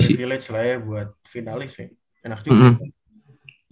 privilege lah ya buat finalis ya enak juga